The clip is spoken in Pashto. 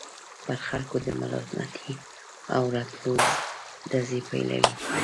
پر خلکو د ملامتۍ او رټلو ډزې پيلوي.